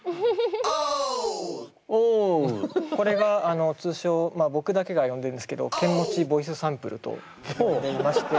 これが通称僕だけが呼んでるんですけどケンモチボイスサンプルと呼んでいまして。